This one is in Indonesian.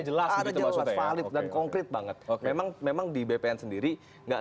jelas gitu maksudnya ada jelas valid dan konkret banget memang memang di bpn sendiri gak sempat mengunggah